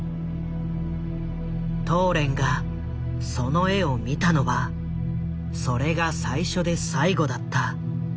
トーレンがその絵を見たのはそれが最初で最後だった。